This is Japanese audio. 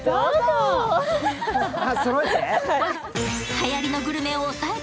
そろえて！